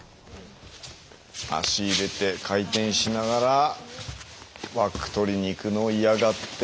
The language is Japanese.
足入れて回転しながらバック取りにいくのを嫌がって。